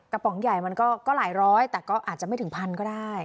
ป๋องใหญ่มันก็หลายร้อยแต่ก็อาจจะไม่ถึงพันก็ได้